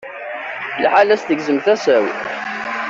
Liḥala-s, tegzem tasa-w.